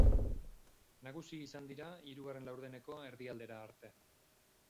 Nagusi izan dira hirugarren laurdeneko erdialdera arte.